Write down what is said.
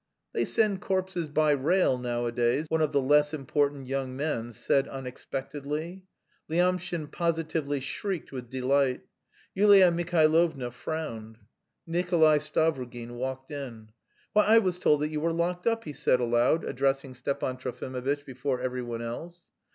"They send corpses by rail nowadays," one of the less important young men said unexpectedly. Lyamshin positively shrieked with delight. Yulia Mihailovna frowned. Nikolay Stavrogin walked in. "Why, I was told that you were locked up?" he said aloud, addressing Stepan Trofimovitch before every one else.